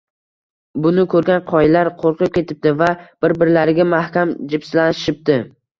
Buni ko‘rgan qoyalar qo‘rqib ketibdi va bir-birlariga mahkam jipslashibdi